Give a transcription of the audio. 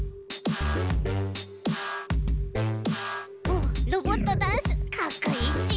おっロボットダンスかっこいいち。